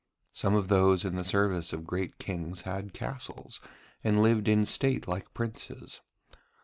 Some of those in the service of great kings had castles, and lived in state like princes.